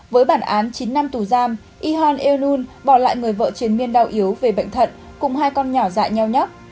với bản án chín năm tù giam ihon eulun bỏ lại người vợ triển miên đau yếu về bệnh thận cùng hai con nhỏ dại nhau nhóc